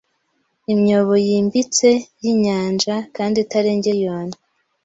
imyobo yimbitse yinyanja kandi itarengeje miliyoni